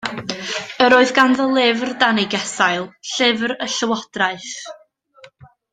Yr oedd ganddo lyfr dan ei gesail, llyfr y llywodraeth.